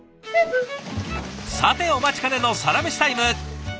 さてお待ちかねのサラメシタイム。